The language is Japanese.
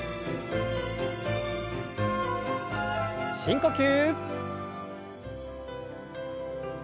深呼吸。